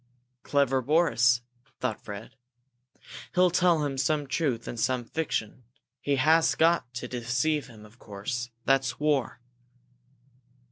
"Clever Boris!" thought Fred. "He'll tell him some truth and some fiction! He has got to deceive him, of course that's war."